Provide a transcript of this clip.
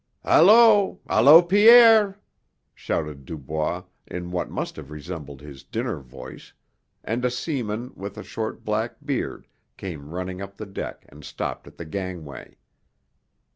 "Hallo! Hallo, Pierre!" shouted Dubois in what must have resembled his dinner voice, and a seaman with a short black beard came running up the deck and stopped at the gangway.